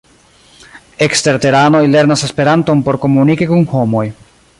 Eksterteranoj lernas Esperanton por komuniki kun homoj.